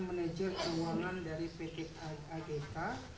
manajer keuangan dari pt agk